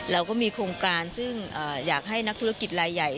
เราก็มีโครงการซึ่งอยากให้นักธุรกิจลายใหญ่